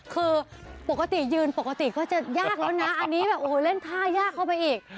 คือปกติยืนปกติก็จะยากแล้วนะอันนี้แบบโอ้โหเล่นท่ายากเข้าไปอีก